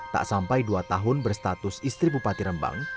tak sampai dua tahun berstatus istri bupati rembang